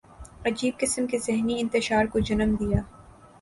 عجیب قسم کے ذہنی انتشار کو جنم دیا۔